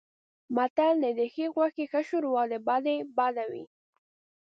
متل دی: د ښې غوښې ښه شوروا د بدې بده وي.